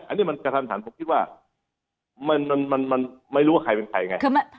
อันนี้มันกระทันหันผมคิดว่ามันไม่รู้ว่าใครเป็นใครไง